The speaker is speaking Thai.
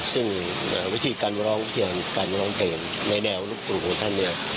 ซึ่งวิธีการร้องเพลงในแดวครูของท่าน